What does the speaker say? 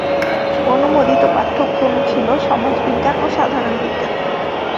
অনুমোদিত পাঠ্যক্রম ছিল সমাজবিজ্ঞান ও সাধারণ বিজ্ঞান।